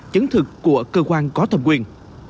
chứng thực của cơ quan có thầm quyền